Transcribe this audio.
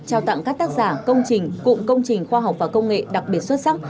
trao tặng các tác giả công trình cụm công trình khoa học và công nghệ đặc biệt xuất sắc